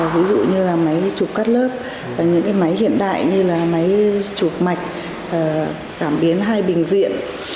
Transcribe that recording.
ví dụ như là máy chụp cắt lớp và những cái máy hiện đại như là máy chụp mạch cảm biến hai bình diện